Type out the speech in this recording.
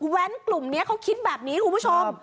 กลุ่มนี้เขาคิดแบบนี้คุณผู้ชม